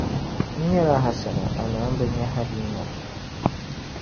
N nyala Hasana amaa m bi nya Halima.